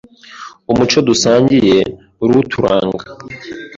umuco dusangiye uruturanga,